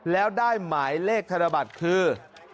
แล้วได้หมายเลขธนบัตรคือ๕๔๕๙๔๙๕๘๗